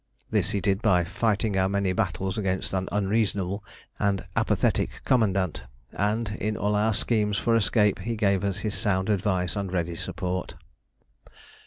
This he did by fighting our many battles against an unreasonable and apathetic commandant, and in all our schemes for escape he gave us his sound advice and ready support.